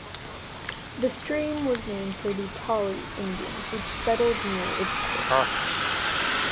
The stream was named for the "Tail" Indians which settled near its course.